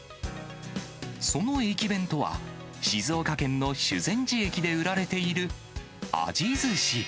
その駅弁とは、静岡県の修善寺駅で売られているあじ寿司。